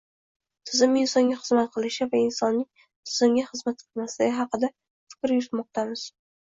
tizim insonga hizmat qilishi va insonning tizimga xizmat qilmasligi haqida fikr yuritmoqdamiz